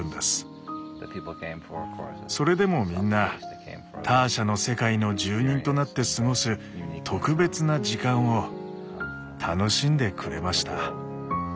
それでもみんなターシャの世界の住人となって過ごす特別な時間を楽しんでくれました。